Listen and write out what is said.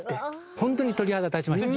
ホントに鳥肌立ちました。